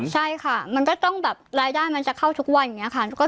ใช่ค่ะมันก็ต้องแบบรายได้มันจะเข้าทุกวันอย่างนี้ค่ะ